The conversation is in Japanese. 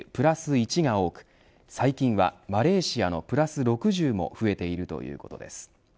１が多く最近は、マレーシアの＋６０も増えているということです。